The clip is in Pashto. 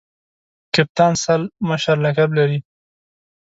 کپتان سل مشر لقب لري.